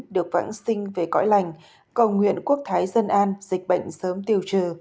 được vãng sinh về cõi lành cầu nguyện quốc thái dân an dịch bệnh sớm tiêu trừ